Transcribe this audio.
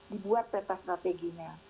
dibuat peta strateginya